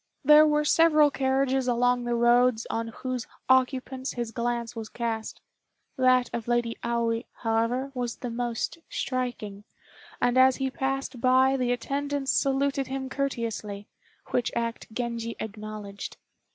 There were several carriages along the roads on whose occupants his glance was cast; that of Lady Aoi, however, was the most striking, and as he passed by the attendants saluted him courteously, which act Genji acknowledged.